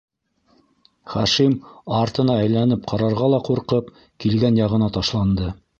- Хашим, артына әйләнеп ҡарарға ла ҡурҡып, килгән яғына ташланды.